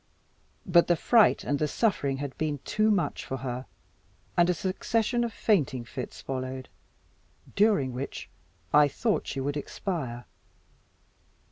But the fright and suffering had been too much for her, and a succession of fainting fits followed, during which I thought she would expire.